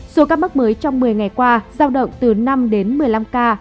số ca mắc mới trong một mươi ngày qua giao động từ năm đến một mươi năm ca